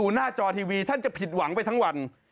หน้าจอทีวีท่านจะผิดหวังไปทั้งวัน